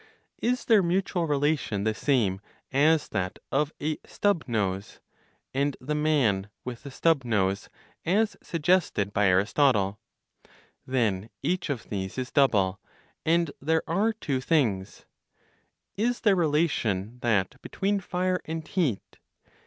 Is their mutual relation the same as that of a stub nose, and the man with the stub nose (as suggested by Aristotle)? Then each of these is double, and there are two things. Is their relation that between fire and heat?